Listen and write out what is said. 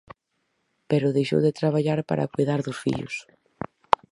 Pero deixou de traballar para coidar dos fillos.